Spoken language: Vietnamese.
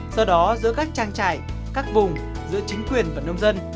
do đó giữa các trang trại các vùng giữa chính quyền và nông dân